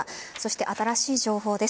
新しい情報です。